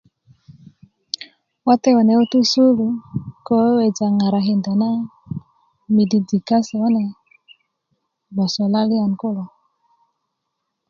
wate kune ko tu sukulu ko weweja ŋarakinda na midijik kase kune gboso lalyan kulo